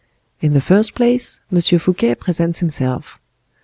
In the first place, M. Fouquet presents himself.